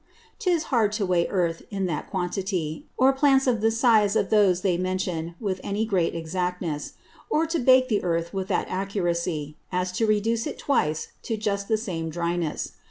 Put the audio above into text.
'Tis hard to weigh Earth in that quantity, or Plants of the size of those they mention, with any great exactness; or to bake the Earth with that accuracy, as to reduce it twice to just the same Driness.